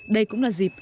đây cũng là dịp